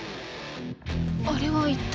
あれは一体？